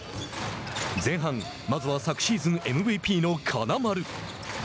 前半、まずは昨シーズンＭＶＰの金丸。